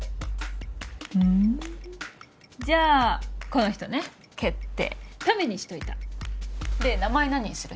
ふんじゃあこの人ね決定タメにしといた黎名前何にする？